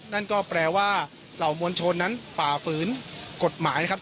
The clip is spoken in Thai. นั่นก็แปลว่าเหล่ามวลชนนั้นฝ่าฝืนกฎหมายนะครับ